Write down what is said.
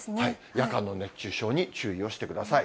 夜間の熱中症に注意をしてください。